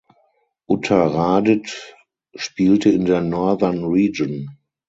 Uttaradit spielte in der Northern Region.